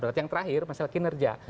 berarti yang terakhir masalah kinerja